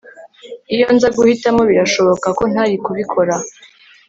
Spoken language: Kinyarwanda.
Iyo nza guhitamo birashoboka ko ntari kubikora